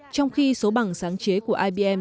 trong khi số bằng sáng chế của ibm